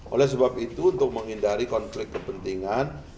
oleh sebab itu untuk menghindari konflik kepentingan